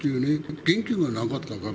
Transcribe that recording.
元気がなかったから。